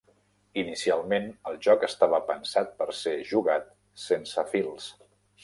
Inicialment, el joc estava pensat per ser jugat sense fils